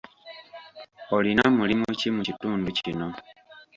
Olina mulimu ki mu kitundu kino?